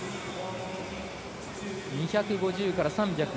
２５０から３００。